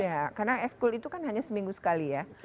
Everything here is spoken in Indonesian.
iya karena ekskul itu kan hanya seminggu sekali ya